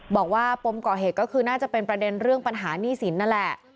บอกว่าปมก่อเหตุก็คือน่าจะเป็นประเด็นเรื่องปัญหาหนี้สินนั่นแหละ